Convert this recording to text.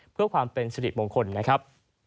เพื่อความเป็นสิริมงคลนะครับ